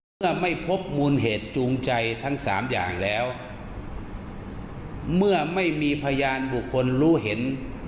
เมื่อไม่พบมูลเหตุจูงใจทั้งสามอย่างแล้วเมื่อไม่มีพยานบุคคลรู้เห็น